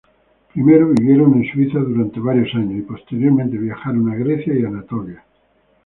Primero vivieron en Suiza durante varios años y posteriormente viajaron a Grecia y Anatolia.